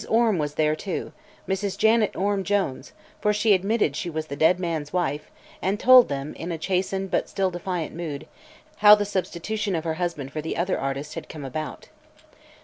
Orme was there, too; Mrs. Janet Orme Jones; for she admitted she was the dead man's wife and told them, in a chastened but still defiant mood, how the substitution of her husband for the other artist had come about.